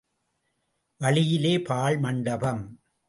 வழியிலே பாழ் மண்டபம்.